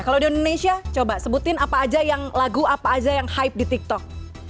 kalau di indonesia coba sebutin apa aja yang lagu apa aja yang hype di tiktok